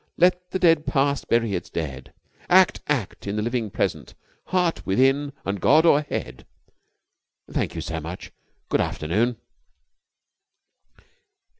Let the dead past bury its dead! Act, act in the living Present, Heart within and God o'erhead!' Thank you so much. Good afternoon."